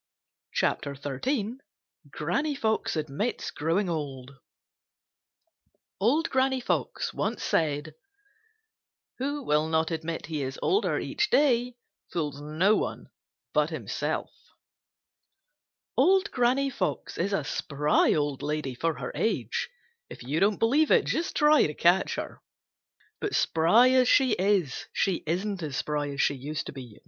CHAPTER XIII Granny Fox Admits Growing Old Who will not admit he is older each day fools no one but himself. —Old Granny Fox. Old Granny Fox is a spry old lady for her age. If you don't believe it just try to catch her. But spry as she is, she isn't as spry as she used to be.